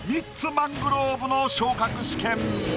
マングローブの昇格試験。